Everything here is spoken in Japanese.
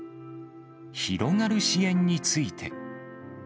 広がる支援について。